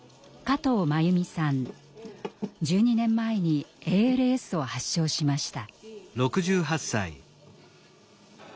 １２年前にＡＬＳを発症しました。